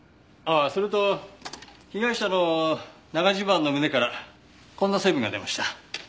ああそれと被害者の長襦袢の胸からこんな成分が出ました。